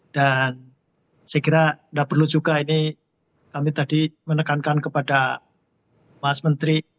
dan saya kira tidak perlu juga ini kami tadi menekankan kepada mas menteri